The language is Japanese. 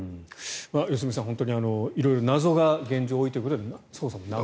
良純さん、色々謎が現状多いということで捜査も難航。